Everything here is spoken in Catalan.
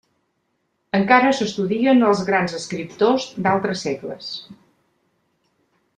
Encara s'estudien els grans escriptors d'altres segles.